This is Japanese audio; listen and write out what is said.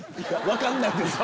分かんないです。